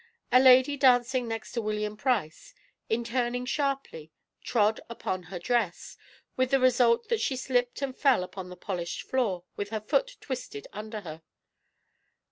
A lady dancing next to William Price, in turning sharply, trod upon her dress, with the result that she slipped and fell upon the polished floor with her foot twisted under her.